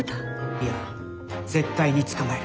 いや絶対に捕まえる。